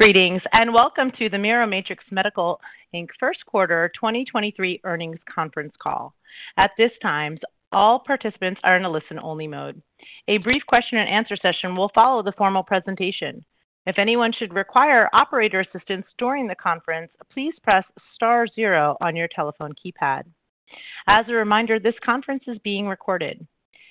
Greetings and welcome to the Miromatrix Medical Inc First Quarter 2023 Earnings Conference Call. At this time, all participants are in a listen only mode. A brief question and answer session will follow the formal presentation. If anyone should require operator assistance during the conference, please press star zero on your telephone keypad. As a reminder, this conference is being recorded.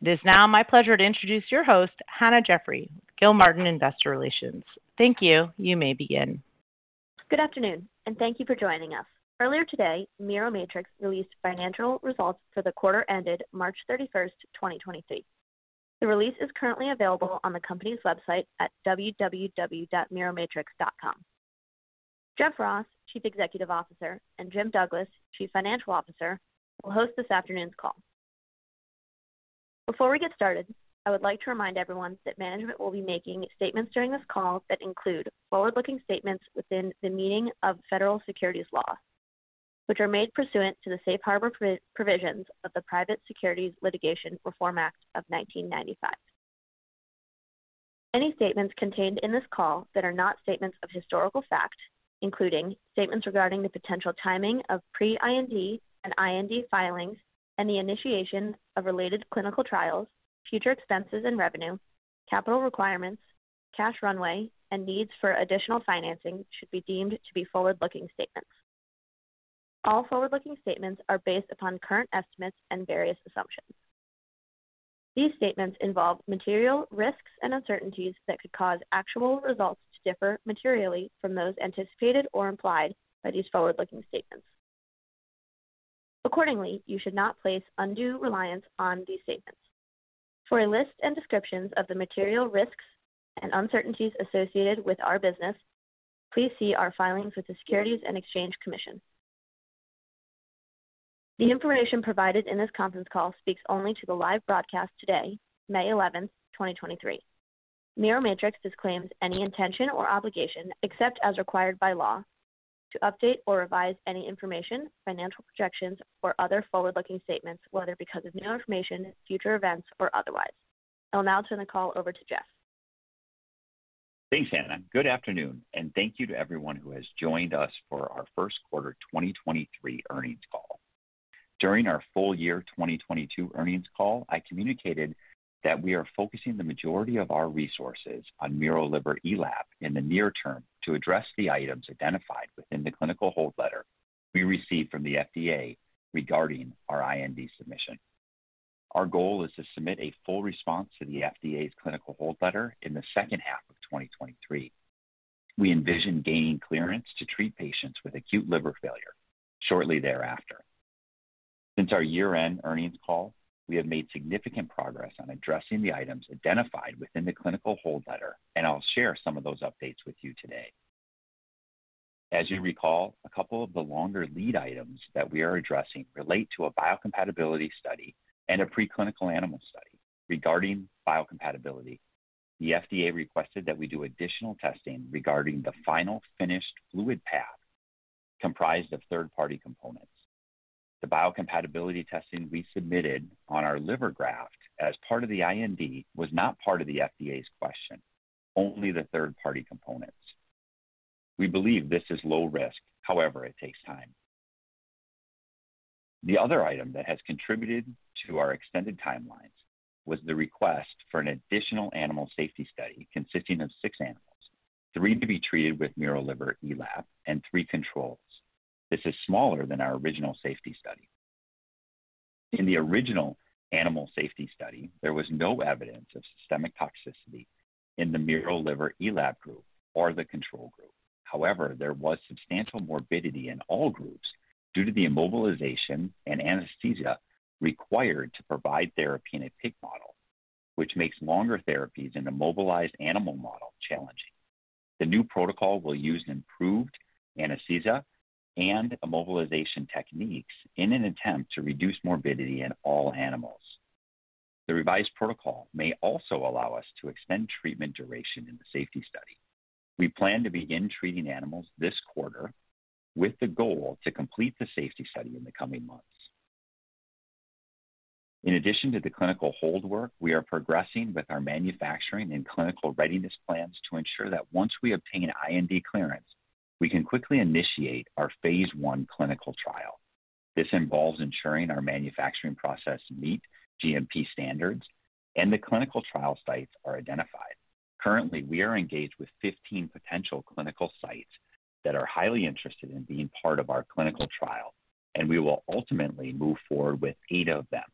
It is now my pleasure to introduce your host, Hannah Jeffrey, Gilmartin Investor Relations. Thank you. You may begin. Good afternoon, and thank you for joining us. Earlier today, Miromatrix released financial results for the quarter ended March 31st, 2023. The release is currently available on the company's website at www.miromatrix.com. Jeff Ross, Chief Executive Officer, and Jim Douglas, Chief Financial Officer, will host this afternoon's call. Before we get started, I would like to remind everyone that management will be making statements during this call that include forward ooking statements within the meaning of federal securities law, which are made pursuant to the Safe Harbor provisions of the Private Securities Litigation Reform Act of 1995. Any statements contained in this call that are not statements of historical fact, including statements regarding the potential timing of pre IND and IND filings and the initiation of related clinical trials, future expenses and revenue, capital requirements, cash runway, and needs for additional financing should be deemed to be forward-looking statements. All forward looking statements are based upon current estimates and various assumptions. These statements involve material risks and uncertainties that could cause actual results to differ materially from those anticipated or implied by these forward looking statements. Accordingly, you should not place undue reliance on these statements. For a list and descriptions of the material risks and uncertainties associated with our business, please see our filings with the Securities and Exchange Commission. The information provided in this conference call speaks only to the live broadcast today, May 11th, 2023. Miromatrix disclaims any intention or obligation, except as required by law, to update or revise any information, financial projections or other forward looking statements, whether because of new information, future events, or otherwise. I'll now turn the call over to Jeff. Thanks, Hannah. Good afternoon, and thank you to everyone who has joined us for our first quarter 2023 earnings call. During our full year 2022 earnings call, I communicated that we are focusing the majority of our resources on miroliverELAP in the near term to address the items identified within the clinical hold letter we received from the FDA regarding our IND submission. Our goal is to submit a full response to the FDA's clinical hold letter in the second half of 2023. We envision gaining clearance to treat patients with acute liver failure shortly thereafter. Since our year-end earnings call, we have made significant progress on addressing the items identified within the clinical hold letter, and I'll share some of those updates with you today. As you recall, a couple of the longer lead items that we are addressing relate to a biocompatibility study and a preclinical animal study. Regarding biocompatibility, the FDA requested that we do additional testing regarding the final finished fluid path comprised of third party components. The biocompatibility testing we submitted on our liver graft as part of the IND was not part of the FDA's question, only the third party components. We believe this is low risk. However, it takes time. The other item that has contributed to our extended timelines was the request for an additional animal safety study consisting of six animals, three to be treated with miroliverELAP and three controls. This is smaller than our original safety study. In the original animal safety study, there was no evidence of systemic toxicity in the miroliverELAP group or the control group. There was substantial morbidity in all groups due to the immobilization and anesthesia required to provide therapy in a pig model, which makes longer therapies in immobilized animal models challenging. The new protocol will use improved anesthesia and immobilization techniques in an attempt to reduce morbidity in all animals. The revised protocol may also allow us to extend treatment duration in the safety study. We plan to begin treating animals this quarter with the goal to complete the safety study in the coming months. In addition to the clinical hold work, we are progressing with our manufacturing and clinical readiness plans to ensure that once we obtain IND clearance, we can quickly initiate our phase I clinical trial. This involves ensuring our manufacturing process meet GMP standards and the clinical trial sites are identified. Currently, we are engaged with 15 potential clinical sites that are highly interested in being part of our clinical trial. We will ultimately move forward with eight of them.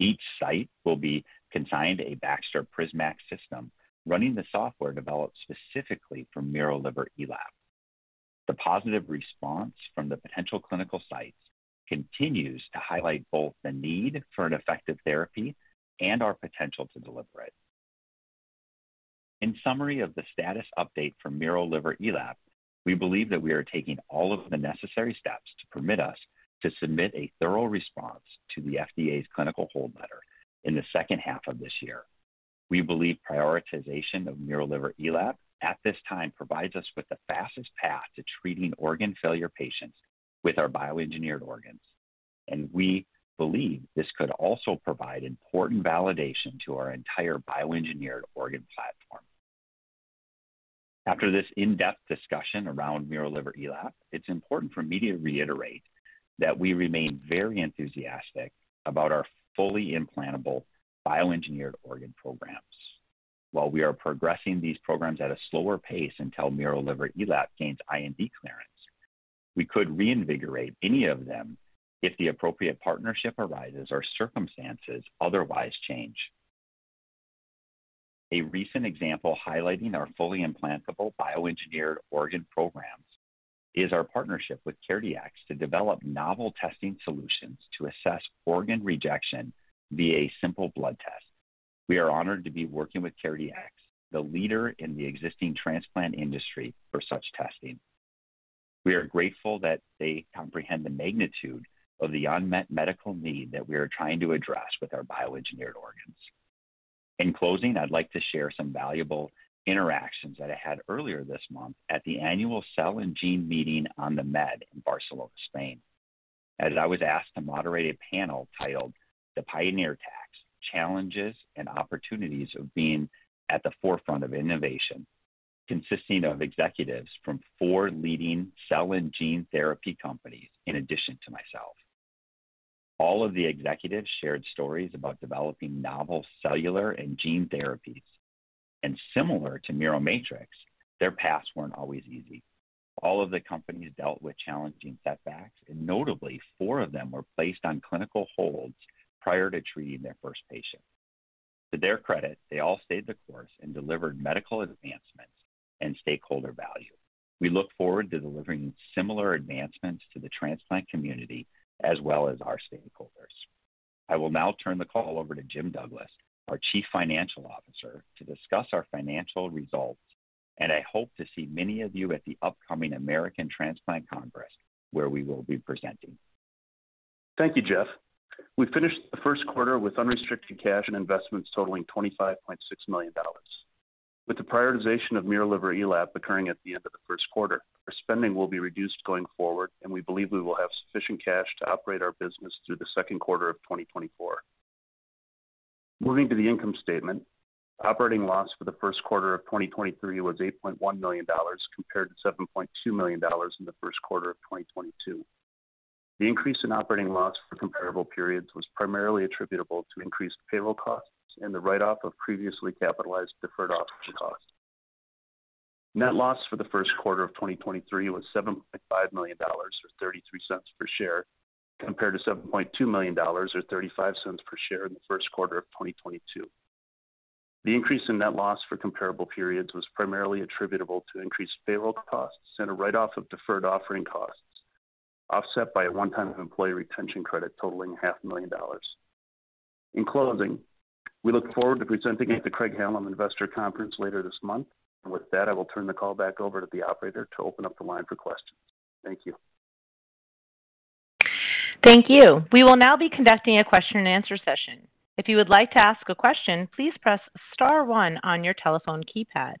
Each site will be consigned a Baxter PrisMax system running the software developed specifically for miroliverELAP. The positive response from the potential clinical sites continues to highlight both the need for an effective therapy and our potential to deliver it. In summary of the status update for miroliverELAP, we believe that we are taking all of the necessary steps to permit us to submit a thorough response to the FDA's clinical hold letter in the second half of this year. We believe prioritization of miroliverELAP at this time provides us with the fastest path to treating organ failure patients with our bioengineered organs. We believe this could also provide important validation to our entire bioengineered organ platform. After this in depth discussion around miroliverELAP, it's important for me to reiterate that we remain very enthusiastic about our fully implantable bioengineered organ programs. While we are progressing these programs at a slower pace until miroliverELAP gains IND clearance, we could reinvigorate any of them if the appropriate partnership arises or circumstances otherwise change. A recent example highlighting our fully implantable bioengineered organ programs is our partnership with CareDx to develop novel testing solutions to assess organ rejection via simple blood test. We are honored to be working with CareDx, the leader in the existing transplant industry for such testing. We are grateful that they comprehend the magnitude of the unmet medical need that we are trying to address with our bioengineered organs. In closing, I'd like to share some valuable interactions that I had earlier this month at the annual Cell & Gene Meeting on the Med in Barcelona, Spain, as I was asked to moderate a panel titled "The Pioneer Tax: Challenges and Opportunities of Being at the Forefront of Innovation," consisting of executives from four leading cell and gene therapy companies in addition to myself. All of the executives shared stories about developing novel cellular and gene therapies. Similar to Miromatrix, their paths weren't always easy. All of the companies dealt with challenging setbacks, and notably, four of them were placed on clinical holds prior to treating their first patient. To their credit, they all stayed the course and delivered medical advancements and stakeholder value. We look forward to delivering similar advancements to the transplant community as well as our stakeholders. I will now turn the call over to Jim Douglas, our chief financial officer, to discuss our financial results. I hope to see many of you at the upcoming American Transplant Congress, where we will be presenting. Thank you, Jeff. We finished the first quarter with unrestricted cash and investments totaling $25.6 million. With the prioritization of miroliverELAP occurring at the end of the first quarter, our spending will be reduced going forward, and we believe we will have sufficient cash to operate our business through the second quarter of 2024. Moving to the income statement, operating loss for the first quarter of 2023 was $8.1 million compared to $7.2 million in the first quarter of 2022. The increase in operating loss for comparable periods was primarily attributable to increased payroll costs and the write off of previously capitalized deferred offering costs. Net loss for the first quarter of 2023 was $7.5 million, or $0.33 per share, compared to $7.2 million, or $0.35 per share in the first quarter of 2022. The increase in net loss for comparable periods was primarily attributable to increased payroll costs and a write off of deferred offering costs, offset by a one time employee retention credit totaling half a million dollars. In closing, we look forward to presenting at the Craig Hallum Investor Conference later this month. With that, I will turn the call back over to the operator to open up the line for questions. Thank you. Thank you. We will now be conducting a question and answer session. If you would like to ask a question, please press star one on your telephone keypad.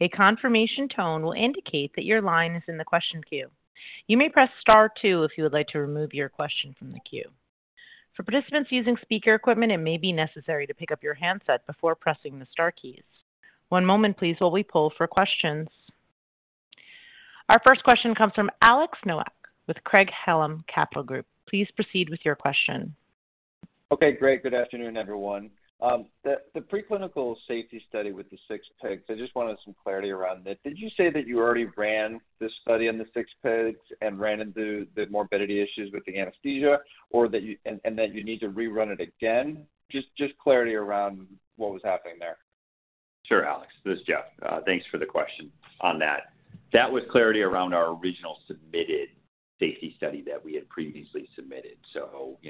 A confirmation tone will indicate that your line is in the question queue. You may press star two if you would like to remove your question from the queue. For participants using speaker equipment, it may be necessary to pick up your handset before pressing the star keys. One moment please while we poll for questions. Our first question comes from Alexander Nowak with Craig Hallum Capital Group. Please proceed with your question. Okay, great. Good afternoon, everyone. The preclinical safety study with the six pigs, I just wanted some clarity around it. Did you say that you already ran this study on the six pigs and ran into the morbidity issues with the anesthesia, or that you and that you need to rerun it again? Just clarity around what was happening there. Sure, Alex. This is Jeff. Thanks for the question on that. That was clarity around our original submitted safety study that we had previously submitted.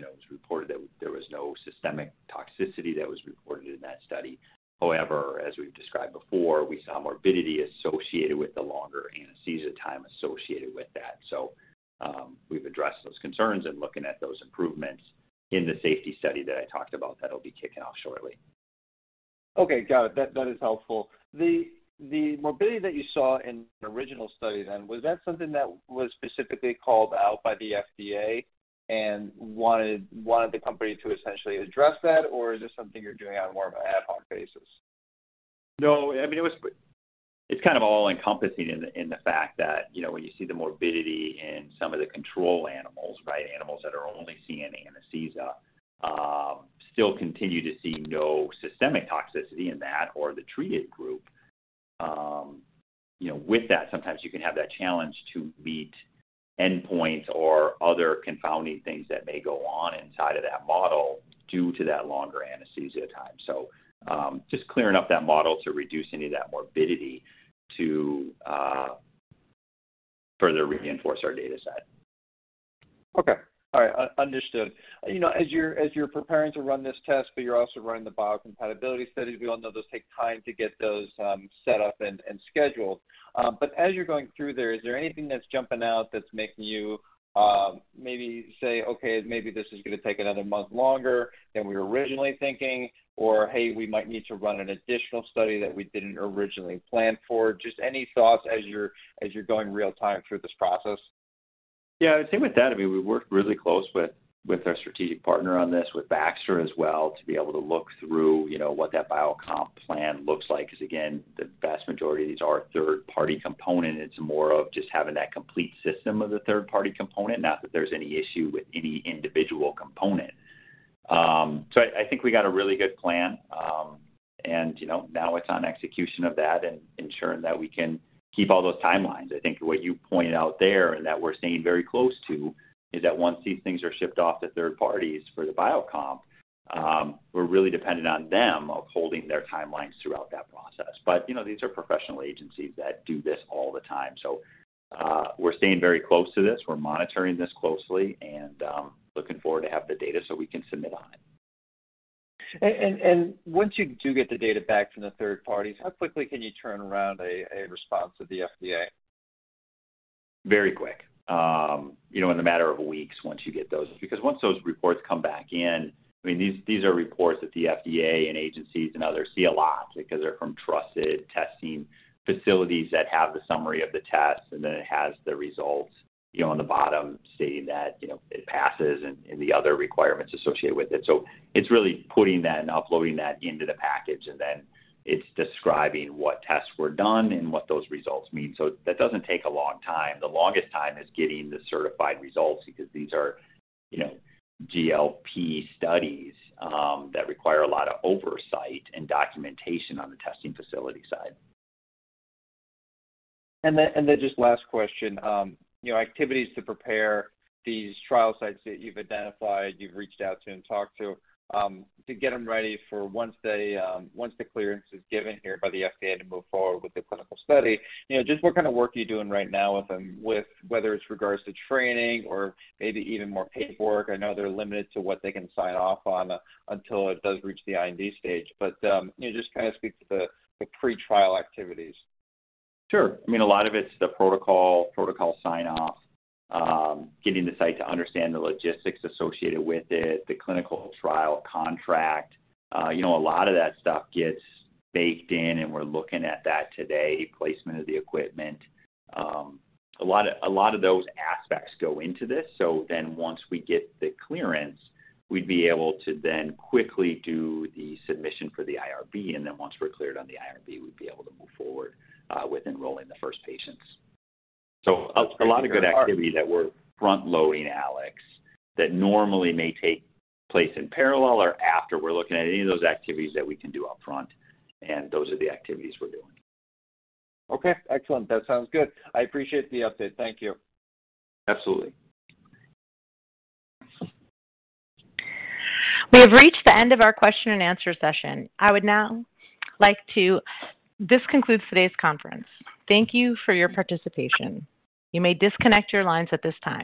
It was reported that there was no systemic toxicity that was reported in that study. However, as we've described before, we saw morbidity associated with the longer anesthesia time associated with that. We've addressed those concerns and looking at those improvements in the safety study that I talked about that'll be kicking off shortly. Okay. Got it. That is helpful. The morbidity that you saw in the original study then, was that something that was specifically called out by the FDA and wanted the company to essentially address that? Is this something you're doing on more of an ad hoc basis? No. I mean, It's kind of all encompassing in the, in the fact that, when you see the morbidity in some of the control animals, right? Animals that are only seeing anesthesia, still continue to see no systemic toxicity in that or the treated group. With that, sometimes you can have that challenge to meet endpoints or other confounding things that may go on inside of that model due to that longer anesthesia time. Just clearing up that model to reduce any of that morbidity to further reinforce our data set. Okay. All right. Understood. As you're preparing to run this test, but you're also running the biocompatibility studies, we all know those take time to get those set up and scheduled. As you're going through there, is there anything that's jumping out that's making you maybe say, "Okay, maybe this is going to take another month longer than we were originally thinking," or, "Hey, we might need to run an additional study that we didn't originally plan for." Just any thoughts as you're going real-time through this process? I would say with that, I mean, we work really close with our strategic partner on this, with Baxter as well, to be able to look through, what that biocomp plan looks like 'cause again, the vast majority of these are a third party component. It's more of just having that complete system of the third party component, not that there's any issue with any individual component. So I think we got a really good plan. Now it's on execution of that and ensuring that we can keep all those timelines. I think what you pointed out there and that we're staying very close to is that once these things are shipped off to third parties for the biocomp, we're really dependent on them of holding their timelines throughout that process. These are professional agencies that do this all the time. We're staying very close to this. We're monitoring this closely and, looking forward to have the data so we can submit on it. Once you do get the data back from the third parties, how quickly can you turn around a response to the FDA? Very quick. In a matter of weeks once you get those. Because once those reports come back in, I mean, these are reports that the FDA and agencies and others see a lot because they're from trusted testing facilities that have the summary of the test, and then it has the results, on the bottom stating that, it passes and the other requirements associated with it. It's really putting that and uploading that into the package, and then it's describing what tests were done and what those results mean. That doesn't take a long time. The longest time is getting the certified results because these are, GLP studies, that require a lot of oversight and documentation on the testing facility side. Just last question. Activities to prepare these trial sites that you've identified, you've reached out to and talked to get them ready for once they, once the clearance is given here by the FDA to move forward with the clinical study. Just what kind of work are you doing right now with them with whether it's regards to training or maybe even more paperwork? I know they're limited to what they can sign off on, until it does reach the IND stage. Just kind of speak to the pre trial activities. Sure. I mean, a lot of it's the protocol sign off, getting the site to understand the logistics associated with it, the clinical trial contract. A lot of that stuff gets baked in. We're looking at that today, placement of the equipment. A lot of those aspects go into this. Once we get the clearance, we'd be able to then quickly do the submission for the IRB. Once we're cleared on the IRB, we'd be able to move forward with enrolling the first patients. A lot of good activity that we're front loading, Alex, that normally may take place in parallel or after. We're looking at any of those activities that we can do up front. Those are the activities we're doing. Okay. Excellent. That sounds good. I appreciate the update. Thank you. Absolutely. We have reached the end of our question and answer session. This concludes today's conference. Thank you for your participation. You may disconnect your lines at this time.